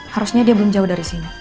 harusnya dia belum jauh dari sini